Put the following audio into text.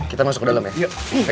kita masuk ke dalam ya